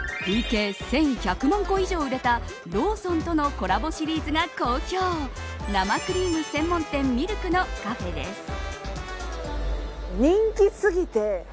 累計１１００万個以上売れたローソンとのコラボシリーズが好評生クリーム専門店ミルクのカフェです。